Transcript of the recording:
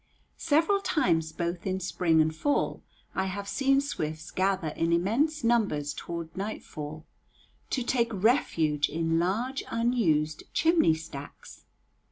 Several times both in spring and fall I have seen swifts gather in immense numbers toward nightfall, to take refuge in large unused chimney stacks.